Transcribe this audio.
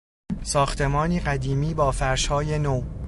ساختمانی قدیمی با فرشهای نو